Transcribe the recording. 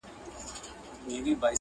هغه تاسو ته وعظ كوي